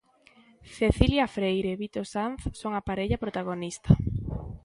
Cecilia Freire e Vito Sanz son a parella protagonista.